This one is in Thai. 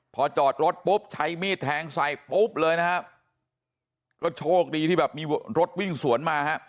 พอจอดรถปุ๊บใช้มีดแทงใส่ปุ๊บเลยนะครับก็โชคดีที่แบบมีรถวิ่งสวนมาฮะ